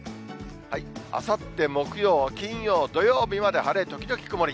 あさって木曜、金曜、土曜日まで晴れ時々曇り。